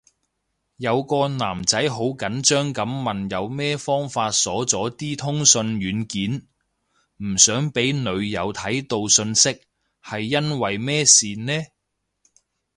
有個男仔好緊張噉問有咩方法鎖咗啲通訊軟件，唔想俾女友睇到訊息，係因為咩事呢？